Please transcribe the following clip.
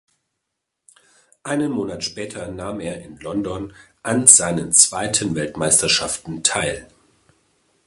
Einen Monat später nahm er in London an seinen zweiten Weltmeisterschaften teil.